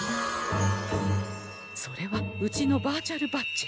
それはうちのバーチャルバッジ！